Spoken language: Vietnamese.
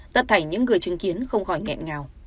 tất thảy những người chứng kiến không gọi nghẹn ngào